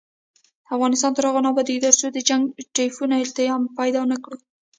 افغانستان تر هغو نه ابادیږي، ترڅو د جنګ ټپونه التیام پیدا نکړي.